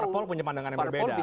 parpol punya pandangan yang berbeda